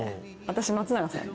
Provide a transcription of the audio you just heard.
私「松永さん」